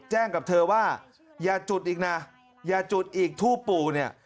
กับเธอว่าอย่าจุดอีกนะอย่าจุดอีกทูบปู่เนี่ย